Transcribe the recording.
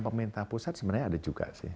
pemerintah pusat sebenarnya ada juga sih